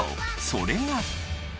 それが。